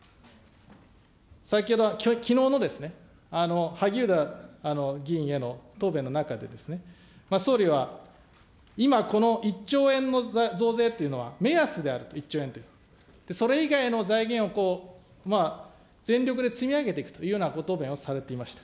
先ほど、きのうの萩生田議員への答弁の中でですね、総理は、今、この１兆円の増税というのは目安であると、１兆円って、それ以外の財源を、全力で積み上げていくというようなご答弁をされていました。